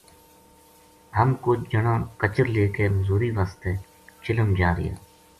ہم کُج جنا کچر لے کے مزوری واسطے چلم جا رہیا